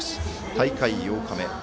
大会８日目。